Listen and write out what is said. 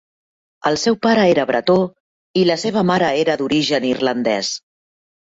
El seu pare era bretó i la seva mare era d'origen irlandès.